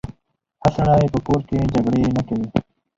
ښه سړی په کور کې جګړې نه کوي.